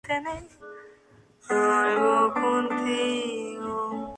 Los pescadores del río Nagara trabajan con esta especie particular para atrapar "ayu".